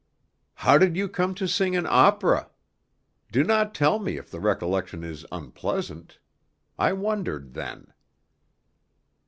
"How did you come to sing in opera? Do not tell me if the recollection is unpleasant. I wondered then."